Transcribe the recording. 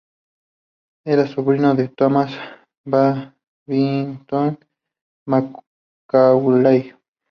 Era sobrino de Thomas Babington Macaulay.